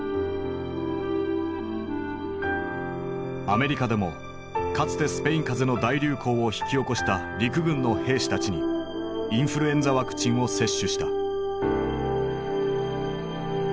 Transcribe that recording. アメリカでもかつてスペイン風邪の大流行を引き起こした陸軍の兵士たちにインフルエンザワクチンを接種した。